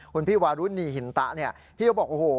คุณพี่วารุณีหินตะเนี่ยพี่เขาบอกโอ้โห